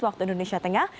waktu indonesia tengah